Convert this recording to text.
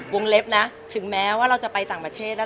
เล็บนะถึงแม้ว่าเราจะไปต่างประเทศแล้ว